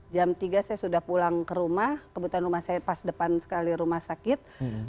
jam tiga saya sudah pulang ke rumah kebetulan rumah saya pas depan sekali rumah sakit